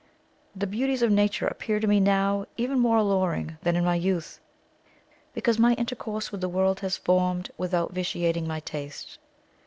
The beauties of nature appear to me now even more alluring than in my youth, because my intercourse with the world has formed without vitiating my taste.